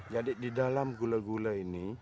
jadi di dalam gula gula ini